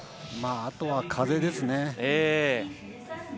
あとは風ですね。